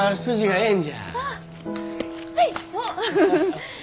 はい。